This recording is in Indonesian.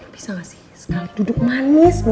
bisa gak sih sekali duduk manis